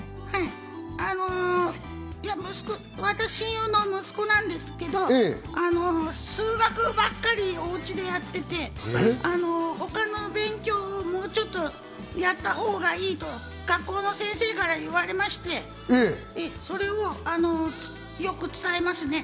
あの、親友の息子なんですけど、数学ばっかりおうちでやっていて、他の勉強をもうちょっとやったほうがいいと学校の先生から言われまして、それをよく伝えますね。